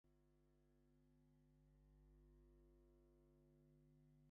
Dourdan is the fourth of five children.